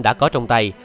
đã có trong tay